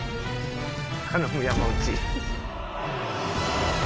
頼む山内。